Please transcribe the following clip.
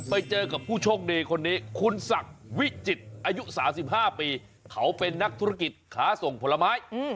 ไปเจอกับผู้โชคดีคนนี้คุณศักดิ์วิจิตรอายุ๓๕ปีเขาเป็นนักธุรกิจค้าส่งผลไม้